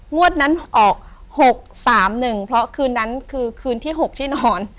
งวดนั้นออก๖๓๑เพราะคืนนั้นคือคืนที่๖ที่นอน